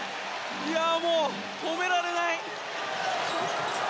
もう止められない！